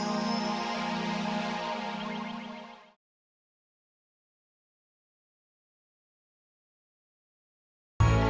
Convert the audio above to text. kami menghukum anakku